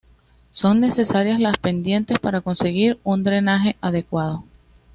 Son necesarias las pendientes para conseguir un drenaje adecuado.